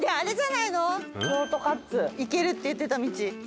行けるって言ってた道。